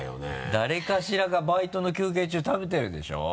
誰かしらがバイトの休憩中食べてるでしょ？